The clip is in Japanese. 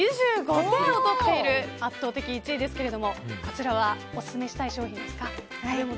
２５点を取っている圧倒的１位ですけれどもこちらはオススメしたい商品ですか？